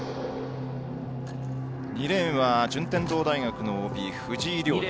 ２レーンは順天堂大のＯＢ藤井亮汰。